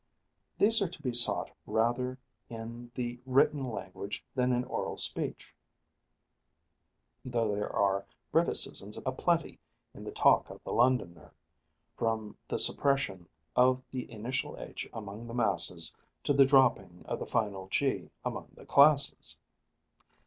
These are to be sought rather in the written language than in oral speech, though there are Briticisms a plenty in the talk of the Londoner, from the suppression of the initial h among the masses to the dropping of the final g among the classes.